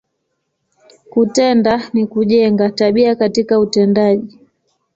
Kutenda, ni kujenga, tabia katika utendaji.